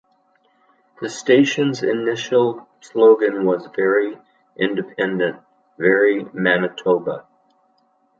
The station's initial slogan was Very independent, very Manitoba!